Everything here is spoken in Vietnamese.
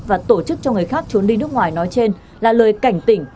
và tổ chức cho người khác trốn đi nước ngoài nói trên là lời cảnh tỉnh